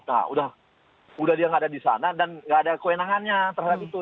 nah udah dia nggak ada di sana dan nggak ada kewenangannya terhadap itu